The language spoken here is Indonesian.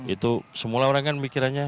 itu semula orang kan mikirannya